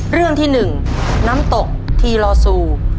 เรื่องที่๑น้ำตกทีลอซู